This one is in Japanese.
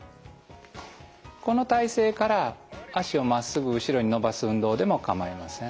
この体勢から脚をまっすぐ後ろに伸ばす運動でも構いません。